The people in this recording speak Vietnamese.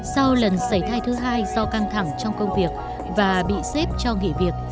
sau lần xảy thai thứ hai do căng thẳng trong công việc và bị xếp cho nghỉ việc